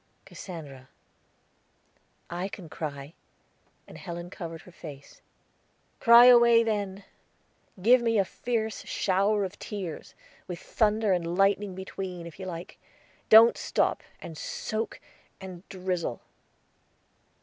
"Cassandra." "I can cry," and Helen covered her face. "Cry away, then. Give me a fierce shower of tears, with thunder and lightning between, if you like. Don't sop, and soak, and drizzle."